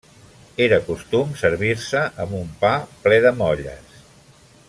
Era costum servir-se amb un pa ple de molles.